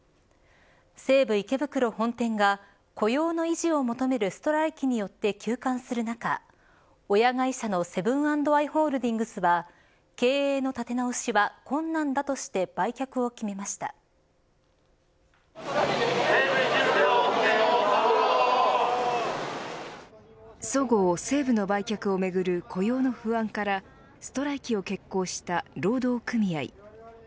西武池袋本店が雇用の維持を求めるストライキによって休館する中親会社のセブン＆アイ・ホールディングスは経営の立て直しは困難だとしてそごう・西武の売却をめぐる雇用の不安からストライキを決行した労働組合。